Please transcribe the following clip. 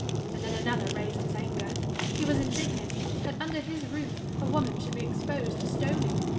And then another raised his anger : he was indignant that, under his roof, a woman should be exposed to stoning.